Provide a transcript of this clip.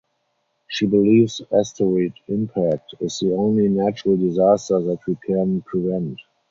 She believes asteroid impact is the only natural disaster that we can prevent.